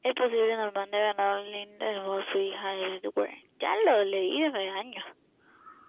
Está posiblemente nombrado en honor de Linda von Schuster, hija de Edmund Weiss.